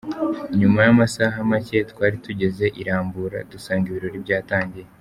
Nyuma y’amasaha make twari tugeze i Rambura dusanga ibirori byatangiye.